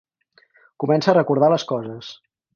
Comença a recordar les coses.